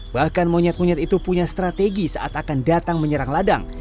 bahkan monyet monyet itu punya strategi saat akan datang menyerang ladang